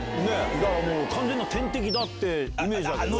だから完全な天敵だってイメージだけど。